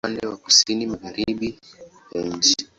Uko upande wa kusini-magharibi ya nchi.